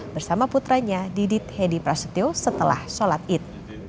bersama putranya didit hedi prasetyo setelah sholat id